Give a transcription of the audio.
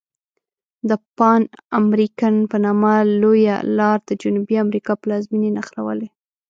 د پان امریکن په نامه لویه لار د جنوبي امریکا پلازمیني نښلولي.